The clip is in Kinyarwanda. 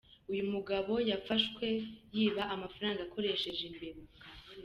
Uyu mugabo yafashwe yiba amafaranga akoresheje imbeba.